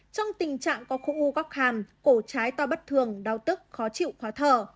trong tình trạng có khổ u góc hàm cổ trái to bất thường đau tức khó chịu khóa thở